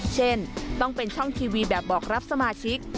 เช่นต้องเป็นช่องทีวีแบบบอกรับสมาชิก